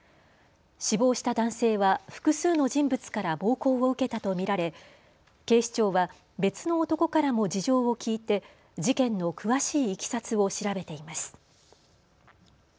死亡した男性は複数の人物から暴行を受けたと見られ警視庁は別の男からも事情を聴いて事件の詳しいいきさつを調べています。